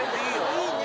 いいね！